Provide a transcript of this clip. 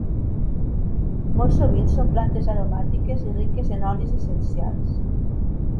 Molt sovint són plantes aromàtiques i riques en olis essencials.